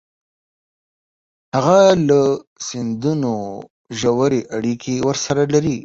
هغه له سندونو ژورې اړیکې ورسره لري